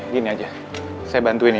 gini aja saya bantuin ya